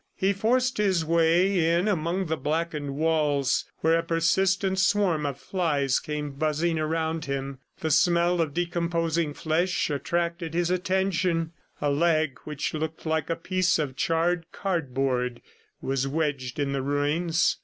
He forced his way in among the blackened walls where a persistent swarm of flies came buzzing around him. The smell of decomposing flesh attracted his attention; a leg which looked like a piece of charred cardboard was wedged in the ruins.